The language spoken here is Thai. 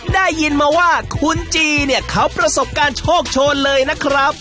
ได้ยินมาว่าคุณจีเนี่ยเขาประสบการณ์โชคโชนเลยนะครับ